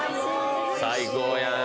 最高やん。